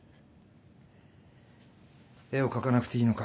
絵を描かなくていいのか？